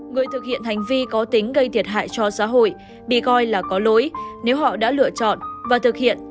người thực hiện hành vi có tính gây thiệt hại cho xã hội bị coi là có lỗi nếu họ đã lựa chọn và thực hiện